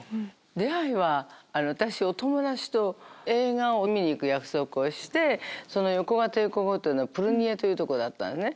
出会いは私お友達と映画を見に行く約束をして横が帝国ホテルのプルニエという所だったのね。